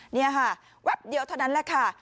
นี่ค่ะแวบเดียวเท่านั้นแหละค่ะ